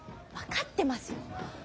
分かってますよ。